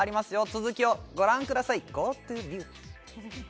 続きをご覧ください